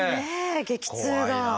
激痛が。